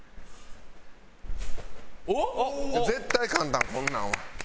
おっ！絶対簡単こんなんは。